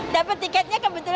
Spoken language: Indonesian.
dapat tiketnya kebetulan